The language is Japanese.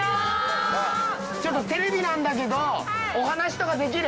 ちょっとテレビなんだけどお話とかできる？